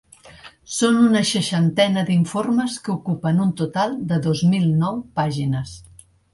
Són una seixantena d’informes que ocupen un total de dos mil nou pàgines.